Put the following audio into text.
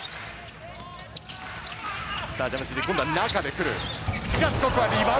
今度は中でくる。